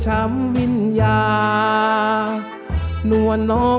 เจ้าทิ้งสัญญาหรือนางที่อ่างวางอารมณ์